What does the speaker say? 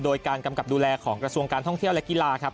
โดยการกำกับดูแลของกระทรวงการท่องเที่ยวและกีฬาครับ